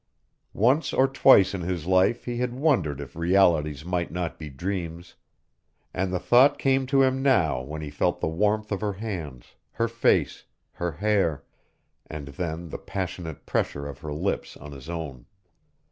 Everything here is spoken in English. Once or twice in his life he had wondered if realities might not be dreams, and the thought came to him now when he felt the warmth of her hands, her face, her hair, and then the passionate pressure of her lips on his own.